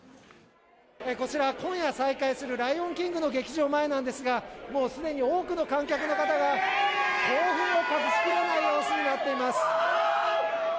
こちら今夜再開する『ライオンキング』の劇場前なんですが、もうすでに多くの観客の方が興奮を隠しきれない様子となっています。